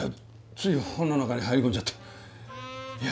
つい本の中に入り込んじゃっていや